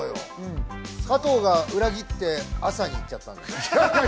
加藤が裏切って朝にいっちゃったのよ。